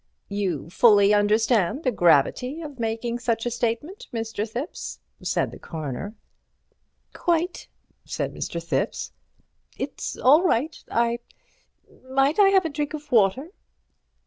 "You fully understand the gravity of making such a statement, Mr. Thipps," said the Coroner. "Quite," said Mr. Thipps. "It's all right—I—might I have a drink of water?"